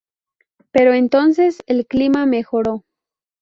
Pero entonces el clima mejoró.